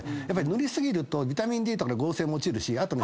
塗り過ぎるとビタミンＤとかの合成も落ちるしあと。